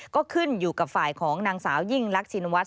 ก็ขึ้นอยู่กับฝ่ายของนางสาวยิ่งรักชินวัฒ